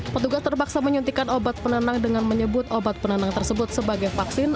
petugas terpaksa menyuntikkan obat penenang dengan menyebut obat penenang tersebut sebagai vaksin